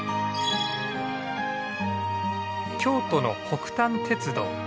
京都の北丹鉄道。